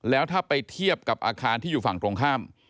แล้วถ้าไปเทียบกับอาคารที่อยู่ฝั่งตรงข้าม